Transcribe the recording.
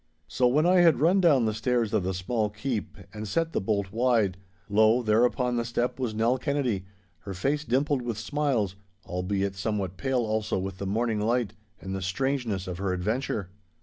So when I had run down the stairs of the small keep and set the bolt wide, lo, there upon the step was Nell Kennedy, her face dimpled with smiles, albeit somewhat pale also with the morning light and the strangeness of her adventure.